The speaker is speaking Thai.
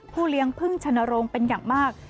เลี้ยงพึ่งชนโรงเป็นอย่างมาก